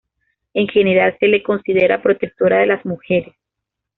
En general se la considera protectora de las mujeres.